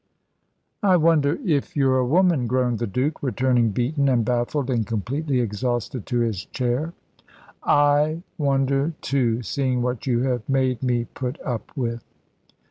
"I wonder if you're a woman," groaned the Duke, returning beaten and baffled and completely exhausted to his chair. "I wonder, too, seeing what you have made me put up with."